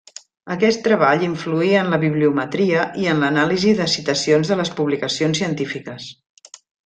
Aquest treball influí en la bibliometria i en l'anàlisi de citacions de les publicacions científiques.